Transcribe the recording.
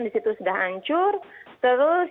di situ sudah hancur terus